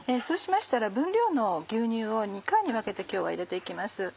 そうしましたら分量の牛乳を２回に分けて今日は入れて行きます。